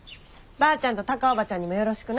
ばあちゃんとタカ叔母ちゃんにもよろしくな。